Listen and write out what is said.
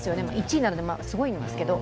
１位なので、すごいんですけど。